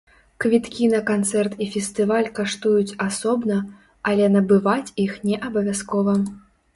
Квіткі на канцэрт і фестываль каштуюць асобна, але набываць іх не абавязкова.